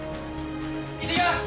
いってきます！